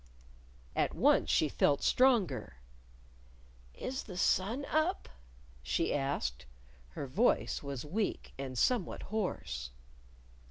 At once she felt stronger. "Is the sun up?" she asked. Her voice was weak, and somewhat hoarse.